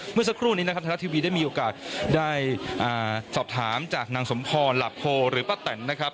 เมื่อสักครู่นี้นะครับไทยรัฐทีวีได้มีโอกาสได้สอบถามจากนางสมพรหลักโพหรือป้าแตนนะครับ